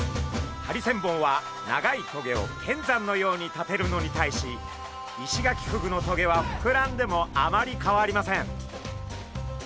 ハリセンボンは長い棘を剣山のように立てるのに対しイシガキフグの棘は膨らんでもあまり変わりません。